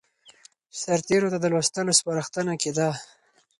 سرتېرو ته د لوستلو سپارښتنه کېده.